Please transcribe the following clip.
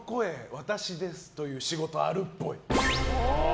私ですという仕事あるっぽい。